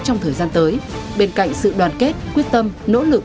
trong thời gian tới bên cạnh sự đoàn kết quyết tâm nỗ lực